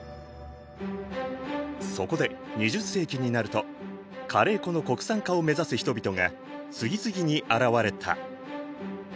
そこで２０世紀になるとカレー粉の国産化を目指す人々が次々に現れた。